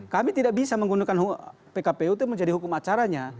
kami tidak bisa menggunakan pkpu itu menjadi hukum acaranya